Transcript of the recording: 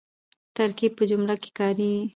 ترکیب په جمله کښي کاریږي.